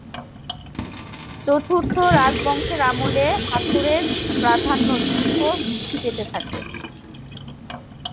চতুর্থ রাজবংশের আমলে হাথোরের প্রাধান্য দ্রুত বৃদ্ধি পেতে থাকে।